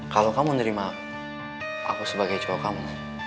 kalau kamu menerima aku sebagai cowok kamu